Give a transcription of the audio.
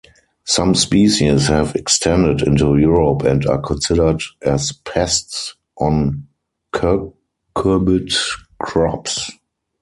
Some species have extended into Europe and are considered as pests on cucurbit crops.